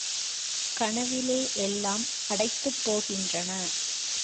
கனவிலே எல்லாம் அடைத்துப் போகின்றன.